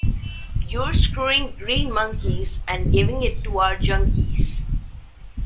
You're screwing green monkeys and giving it to our junkies.